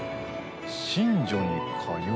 寝所に通う？